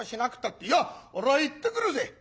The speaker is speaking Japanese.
「いや俺は行ってくるぜ」。